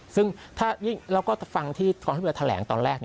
ซึ่งเราก็ฟังที่กองทัพเรือแถลงตอนแรก